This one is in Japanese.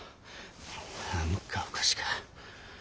何かおかしか。